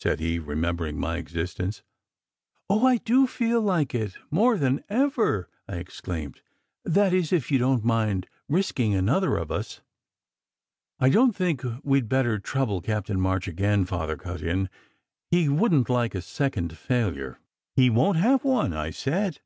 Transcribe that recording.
said he, remembering my existence. "Oh, I do feel like it, more than ever," I exclaimed, "that is, if you don t mind risking another of us." "I don t think we d better trouble Captain March again," Father cut in. " He wouldn t like a second failure." "He won t have one," I said.